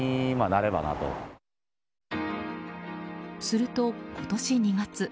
すると、今年２月。